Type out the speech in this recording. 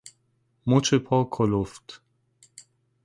مچ پا کلفت